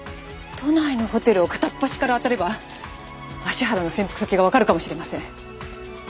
都内のホテルを片っ端からあたれば芦原の潜伏先がわかるかもしれません。